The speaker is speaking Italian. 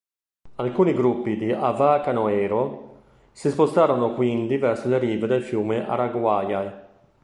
Alcuni gruppi di Avá-Canoeiro si spostarono quindi verso le rive del fiume Araguaia.